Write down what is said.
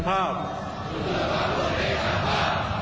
สุธุปราภาวะไว้